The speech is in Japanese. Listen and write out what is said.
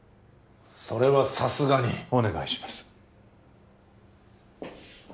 それはさすがにお願いします